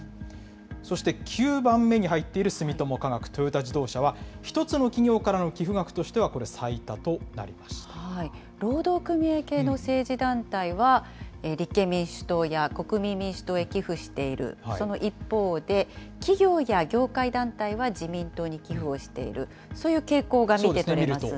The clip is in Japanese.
そして９番目に入っている住友化学、トヨタ自動車は一つの企業からの寄付額としてはこれ、最多と労働組合系の政治団体は、立憲民主党や国民民主党へ寄付している、その一方で、企業や業界団体は自民党に寄付をしている、そういう傾向が見て取れますね。